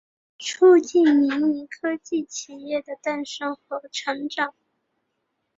促进了民营科技企业的诞生和成长。